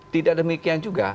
tidak demikian juga